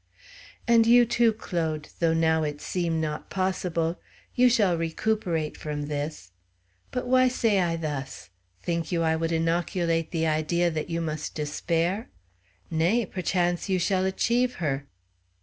"And you, too, Claude, though now it seem not possible you shall recuperate from this. But why say I thus? Think you I would inoculate the idea that you must despair? Nay, perchance you shall achieve her."